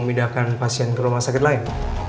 memindahkan pasien ke rumah sakit lain